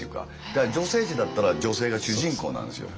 だから女性誌だったら女性が主人公なんですよ。